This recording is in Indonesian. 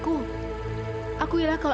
aku ilah kalau aku adalah ibumu